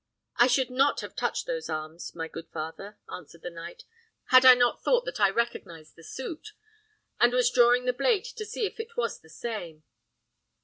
"I should not have touched those arms, my good father," answered the knight, "had I not thought that I recognised the suit; and was drawing the blade to see if it was the same."